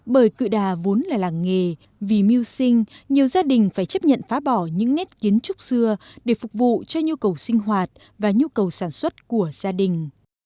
bởi cự đà vốn là làng nghề vì mưu sinh nhiều gia đình phải chấp nhận phá bỏ những nét kiến trúc xưa để phục vụ cho nhu cầu sinh hoạt và nhu cầu sản xuất của gia đình